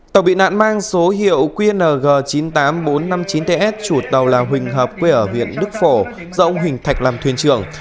tàu bị nạn mang số hiệu qng chín mươi tám nghìn bốn trăm năm mươi chín ts chủ tàu là huỳnh hợp quê ở huyện đức phổ do ông huỳnh thạch làm thuyền trưởng